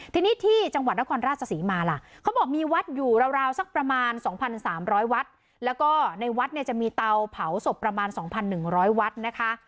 ทีนี้ที่จังหวัดนครราชศรีมาล่ะเขาบอกมีวัดอยู่ราวสักประมาณ๒๓๐๐วัดแล้วก็ในวัดเนี่ยจะมีเตาเผาศพประมาณ๒๑๐๐วัดนะคะ